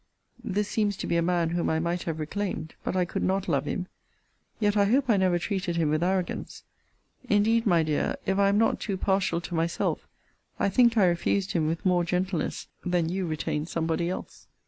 This seems to be a man whom I might have reclaimed. But I could not love him. Yet I hope I never treated him with arrogance. Indeed, my dear, if I am not too partial to myself, I think I refused him with more gentleness, than you retain somebody else.